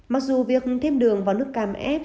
mặc dù việc thêm đường vào nước cam ép